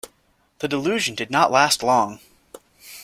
The delusion did not last long.